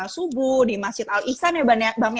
subuh di masjid al ihsan ya bang